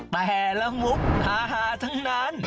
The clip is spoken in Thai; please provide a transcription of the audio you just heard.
แต่ละมุกฮาทั้งนั้น